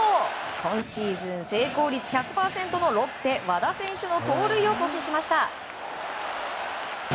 今シーズン成功率１００％のロッテ、和田選手の盗塁を阻止しました。